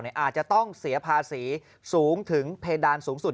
อาจจะต้องเสียภาษีสูงถึงเพดานสูงสุด